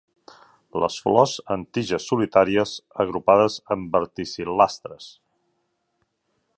Les flors en tiges solitàries, agrupades en verticil·lastres.